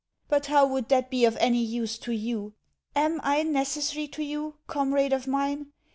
But how would that be of any use to you? AM I necessary to you, comrade of mine?